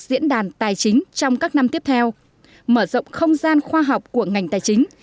diễn đàn tài chính trong các năm tiếp theo mở rộng không gian khoa học của ngành tài chính